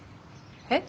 えっ？